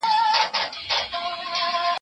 ستا تر ناز دي صدقه بلا گردان سم